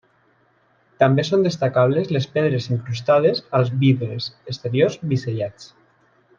També són destacables les pedres incrustades als vidres exteriors bisellats.